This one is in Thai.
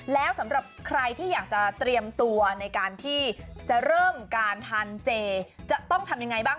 แล้วสำหรับใครที่อยากจะเตรียมตัวในการที่จะเริ่มการทานเจจะต้องทำยังไงบ้าง